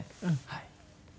はい。